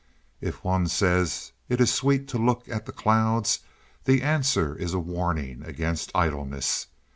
If one says it is sweet to look at the clouds, the answer is a warning against idleness.